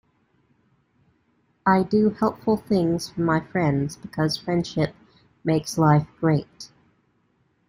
I do helpful things for my friends because friendship makes life great.